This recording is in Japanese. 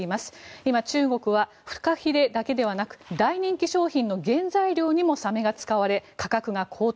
今、中国はフカヒレだけでなく大人気商品の原材料にもサメが使われ、価格が高騰。